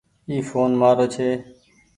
اي ڦون مآرو ڇي۔